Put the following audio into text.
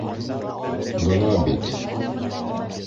— Бына бит.